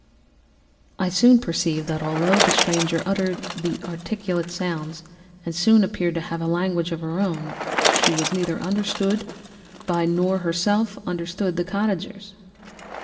"I soon perceived that although the stranger uttered articulate sounds and appeared to have a language of her own, she was neither understood by nor herself understood the cottagers.